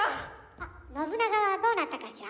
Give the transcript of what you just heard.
あっ信長はどうなったかしら？